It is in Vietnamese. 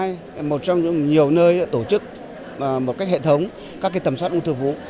bệnh viện bạch mai là một trong những nhiều nơi tổ chức một cách hệ thống các tầm soát ung thư vú